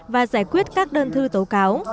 và giải quyết các đơn thư tố cáo